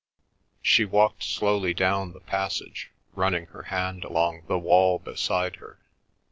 She walked slowly down the passage, running her hand along the wall beside her.